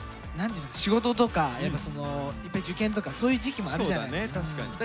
仕事とかやっぱり受験とかそういう時期もあるじゃないですか。